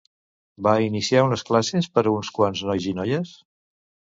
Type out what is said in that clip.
Va iniciar unes classes per a uns quants nois i noies?